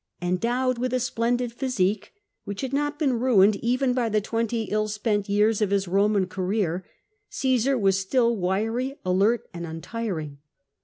Endowed with a splendid physique, which had not been ruined even by the twenty ill spent years of his Eoman career, Caesar was still wiry, alert, and untiring.